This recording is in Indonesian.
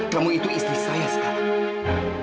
kamu itu istri saya sekarang